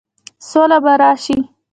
سوله به راشي؟